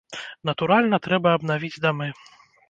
Натуральна, трэба абнавіць дамы.